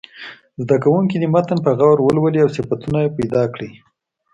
زده کوونکي دې متن په غور ولولي او صفتونه پیدا کړي.